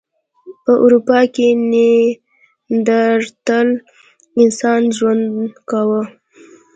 په اروپا کې نیاندرتال انسان ژوند کاوه.